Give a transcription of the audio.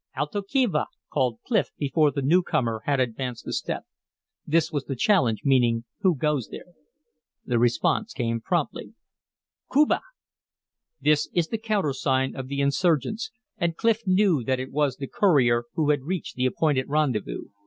"Alto quien va?" called Clif before the newcomer had advanced a step. This was the challenge, meaning, "Who goes there?" The response came promptly: "Cuba!" This is the countersign of the insurgents, and Clif knew that it was the courier who had reached the appointed rendezvous.